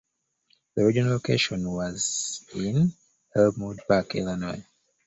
The original location was in Elmwood Park, Illinois.